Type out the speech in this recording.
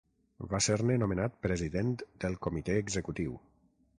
Va ser-ne nomenat president del Comitè Executiu.